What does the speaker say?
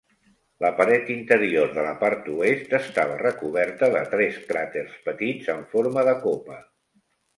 La paret interior de la part oest estava recoberta de tres cràters petits en forma de copa.